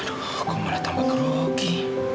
aku malah tambah kerogi